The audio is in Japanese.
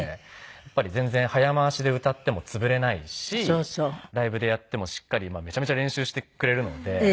やっぱり全然早回しで歌っても潰れないしライブでやってもしっかりめちゃめちゃ練習してくれるので。